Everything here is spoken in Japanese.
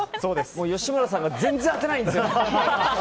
吉村さんが全然当てないんですよ。